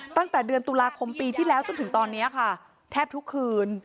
ตั้งแต่เดือนตุลาคมปีที่แล้วจนถึงตอนนี้ค่ะแทบทุกคืน